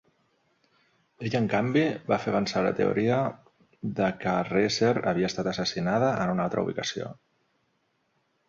Ell, en canvi, va fer avançar la teoria de que Reeser havia estat assassinada en una altra ubicació.